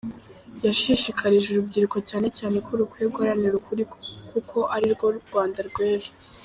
Yashishikarije urubyiruko cyane cyane ko rukwiye guharanira ukuri kuko arirwo Rwanda rw’ejo.